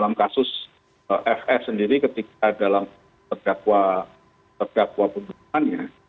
dalam kasus fs sendiri ketika dalam pergakwa pergakwa pembentukannya